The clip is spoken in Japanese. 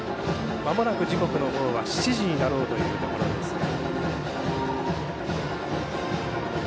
まもなく時刻のほうは７時になろうというところですが。